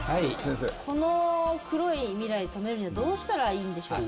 この黒い未来止めるにはどうしたらいいんでしょうか？